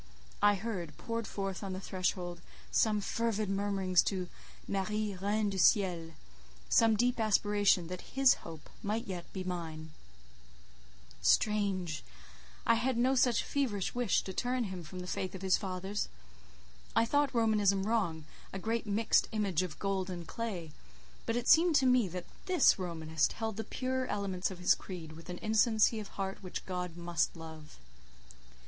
I heard, poured forth on the threshold, some fervid murmurings to "Marie, Reine du Ciel," some deep aspiration that his hope might yet be mine. Strange! I had no such feverish wish to turn him from the faith of his fathers. I thought Romanism wrong, a great mixed image of gold and clay; but it seemed to me that this Romanist held the purer elements of his creed with an innocency of heart which God must love.